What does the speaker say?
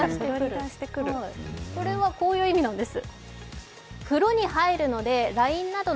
これはこういう意味なんです。